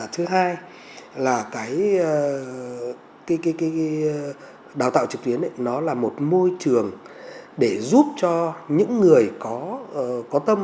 thứ hai là cái đào tạo trực tuyến nó là một môi trường để giúp cho những người có tâm